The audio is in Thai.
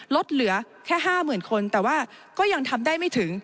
ลดเหลือแค่๕๐๐๐คนแต่ว่าก็ยังทำได้ไม่ถึง